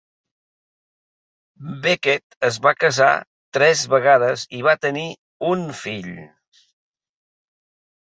Beckett es va casar tres vegades i va tenir un fill.